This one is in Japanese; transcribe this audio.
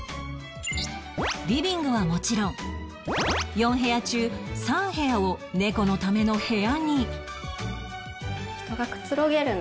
リビングはもちろん４部屋中３部屋を猫のための部屋に